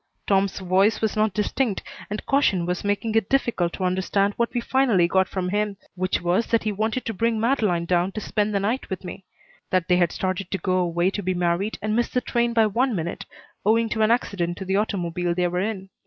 Tom's voice was not distinct and caution was making it difficult to understand what we finally got from him, which was that he wanted to bring Madeleine down to spend the night with me; that they had started to go away to be married and missed the train by one minute, owing to an accident to the automobile they were in.